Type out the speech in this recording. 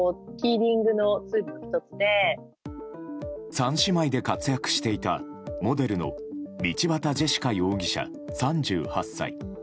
三姉妹で活躍していたモデルの道端ジェシカ容疑者、３８歳。